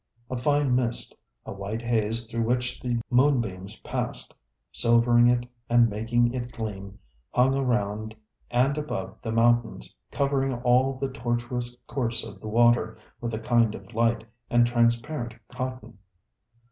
A fine mist, a white haze through which the moonbeams passed, silvering it and making it gleam, hung around and above the mountains, covering all the tortuous course of the water with a kind of light and transparent cotton.